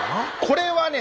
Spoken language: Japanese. これはね